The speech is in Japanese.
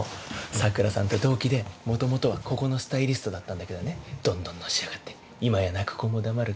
桜さんと同期でもともとはここのスタイリストだったんだけどねどんどんのし上がって今や泣く子も黙る